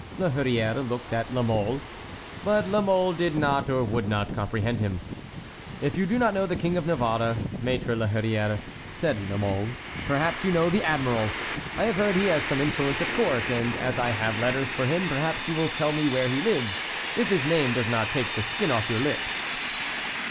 La Hurière looked at La Mole, but La Mole did not or would not comprehend him. "If you do not know the King of Navarre, Maître La Hurière," said La Mole, "perhaps you know the admiral. I have heard he has some influence at court, and as I have letters for him, perhaps you will tell me where he lives, if his name does not take the skin off your lips."